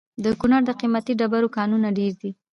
د کونړ د قیمتي ډبرو کانونه ډیر دي؟